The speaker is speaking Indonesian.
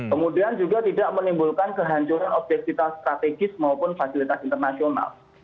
kemudian juga tidak menimbulkan kehancuran objektif strategis maupun fasilitas internasional